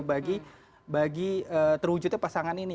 bagi terwujudnya pasangan ini